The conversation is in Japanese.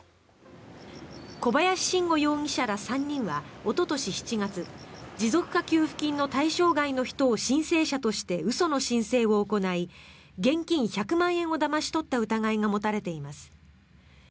小林伸吾容疑者ら３人はおととし７月持続化給付金の対象外の人を申請者として嘘の申請を行い現金１００万円をだまし取った疑いが持たれています。